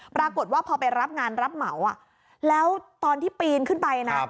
ปรากฏว่าพอไปรับงานรับเหมาแล้วตอนที่ปีนขึ้นไปนะ